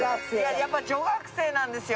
やっぱ女学生なんですよ